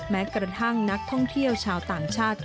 แม้กระทั่งนักท่องเที่ยวชาวต่างชาติ